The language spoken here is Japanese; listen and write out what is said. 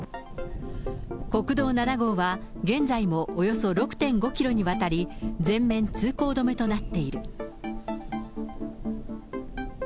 国道７号は現在もおよそ６．５キロにわたり、全面通行止めとなっている。